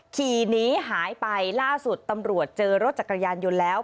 ขี่หนีหายไปล่าสุดตำรวจเจอรถจักรยานยนต์แล้ว